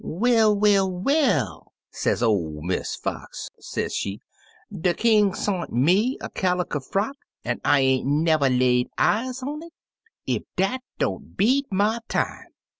'Well, well, well!' sez ol' Miss Fox, se'she; 'de King sont me a caliker frock, an' I ain't never lay eyes on it I Ef dat don't beat my time!'